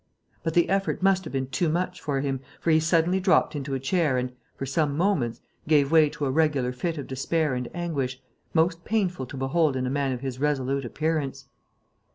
But the effort must have been too much for him, for he suddenly dropped into a chair and, for some moments, gave way to a regular fit of despair and anguish, most painful to behold in a man of his resolute appearance.